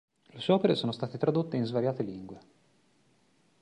Le sue opere sono state tradotte in svariate lingue.